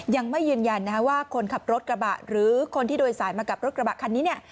ยังไม่ยืนยันว่าคนขับรถกระบะหรือคนที่โดยสายมากับรถกระบะคันนี้เนี่ย